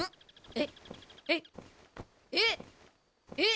えっえっえっえっ？